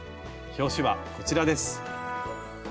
表紙はこちらです。